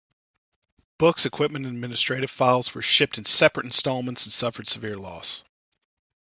Books, equipment, and administrative files were shipped in separate installments and suffered severe loss.